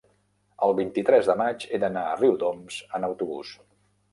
el vint-i-tres de maig he d'anar a Riudoms amb autobús.